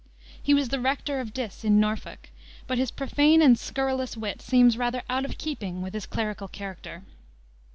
He was the rector of Diss, in Norfolk, but his profane and scurrilous wit seems rather out of keeping with his clerical character.